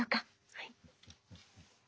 はい。